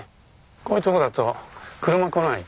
こういうとこだと車来ない。